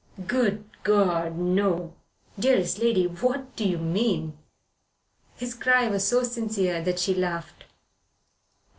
"Good God, no! Dearest lady, what do you mean?" His cry was so sincere that she laughed.